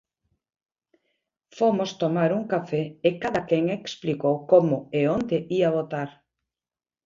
Fomos tomar un café e cada quen explicou como e onde ía votar.